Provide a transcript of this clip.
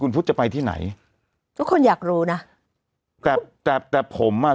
พุทธจะไปที่ไหนทุกคนอยากรู้นะแต่แต่แต่ผมอ่ะ